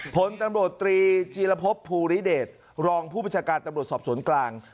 ผลตำรวจตรีจีรพบภูริเดชรองผู้บัญชาการตำรวจสอบสวนกลาง